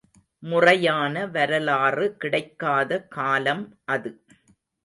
முறையான வரலாறு கிடைக்காத காலம் அது.